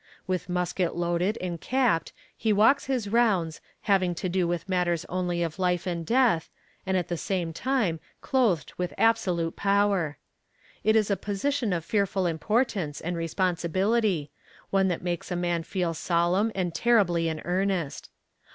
With musket loaded and capped he walks his rounds, having to do with matters only of life and death, and at the same time clothed with absolute power. It is a position of fearful importance and responsibility, one that makes a man feel solemn and terribly in earnest.